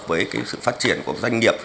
với sự phát triển của doanh nghiệp